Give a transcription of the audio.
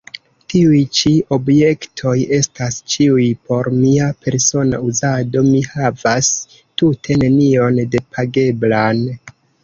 Tiuj ĉi objektoj estas ĉiuj por mia persona uzado; mi havas tute nenion depageblan.